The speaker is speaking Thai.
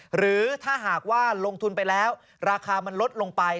หรือถ้าหากว่าลงทุนไปแล้วราคามันลดลงไป